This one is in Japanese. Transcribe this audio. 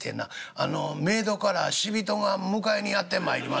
『あの冥土から死人が迎えにやって参りました』